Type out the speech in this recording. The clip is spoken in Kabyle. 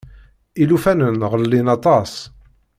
Ilufanen ɣellin aṭas.